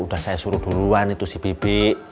udah saya suruh duluan itu si bibi